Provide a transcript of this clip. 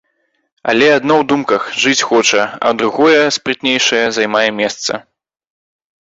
Але адно ў думках жыць хоча, а другое, спрытнейшае, займае месца.